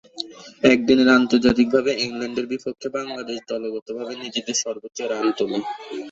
একদিনের আন্তর্জাতিকে ইংল্যান্ডের বিপক্ষে বাংলাদেশ দলগতভাবে নিজেদের সর্বোচ্চ রান তোলে।